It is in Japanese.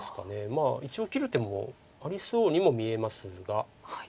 まあ一応切る手もありそうにも見えますが。